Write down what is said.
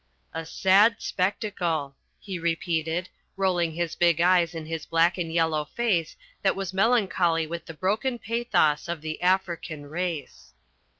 "A sad spectacle," he repeated, rolling his big eyes in his black and yellow face that was melancholy with the broken pathos of the African race.